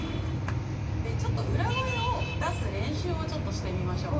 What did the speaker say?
ちょっと裏声を出す練習をちょっとしてみましょうか。